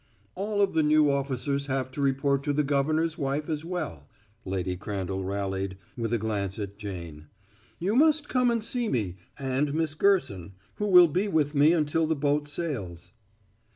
"All of the new officers have to report to the governor's wife as well," Lady Crandall rallied, with a glance at Jane. "You must come and see me and Miss Gerson, who will be with me until her boat sails."